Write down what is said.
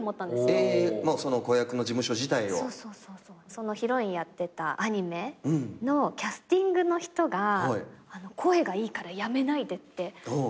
そのヒロインやってたアニメのキャスティングの人が「声がいいから辞めないで」って止めてくださって。